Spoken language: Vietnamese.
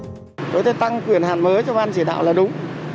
đối với tôi tăng quyền hạn mới cho ban chỉ đạo là đúng